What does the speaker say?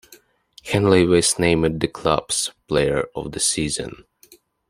Hanley was named the club's "Player of the Season".